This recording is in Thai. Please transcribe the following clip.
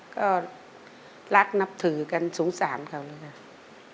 ก็รักนับถือกันสงสารเขาเลยค่ะ